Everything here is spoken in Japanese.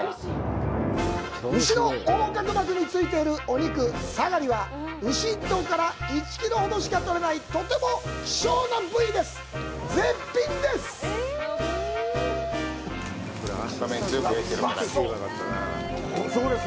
牛の横隔膜についているお肉、サガリは、牛１頭から１キロほどしか取れない、とても希少な部位です。